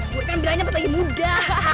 eh gua kan berani pas lagi muda